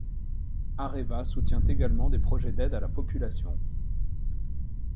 Areva soutient également des projets d’aide à la population.